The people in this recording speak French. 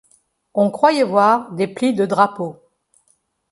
On croyait voir des plis de drapeaux.